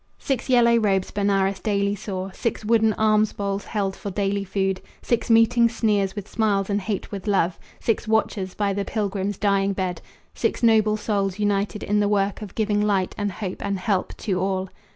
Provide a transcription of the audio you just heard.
Six yellow robes Benares daily saw, Six wooden alms bowls held for daily food, Six meeting sneers with smiles and hate with love, Six watchers by the pilgrim's dying bed, Six noble souls united in the work Of giving light and hope and help to all.